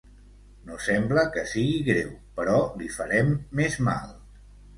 No sembla que sigui greu, però li farem més mal.